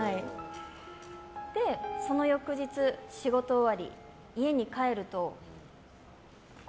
その翌日、仕事終わり家に帰ると。